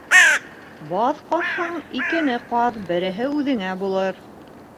Баҙ ҡаҙһаң, икене ҡаҙ береһе үҙеңә булыр.